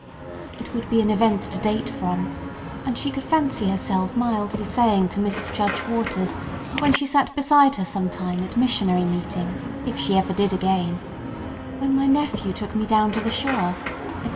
It would be an event to date from, and she could fancy herself mildly saying to Mrs. Judge Waters, when she sat beside her some time at missionary meeting, if she ever did again, "When my nephew took me down to the shore," etc.